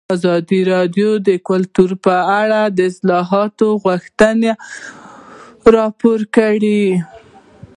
ازادي راډیو د کلتور په اړه د اصلاحاتو غوښتنې راپور کړې.